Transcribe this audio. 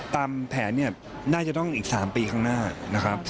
ตามแผนเนี่ยน่าจะต้องอีก๓ปีข้างหน้านะครับ